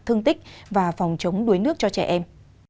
thương tích và phòng chống đuối nước cho trẻ em